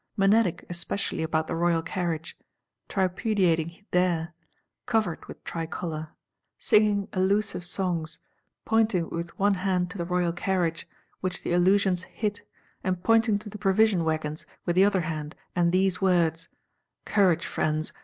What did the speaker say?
Menadic especially about the Royal Carriage; tripudiating there, covered with tricolor; singing "allusive songs;" pointing with one hand to the Royal Carriage, which the illusions hit, and pointing to the Provision wagons, with the other hand, and these words: 'Courage, Friends!